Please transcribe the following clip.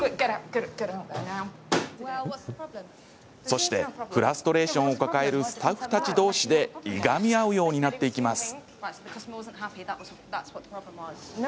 そして、フラストレーションを抱えるスタッフたちどうしでいがみ合うようになっていきます。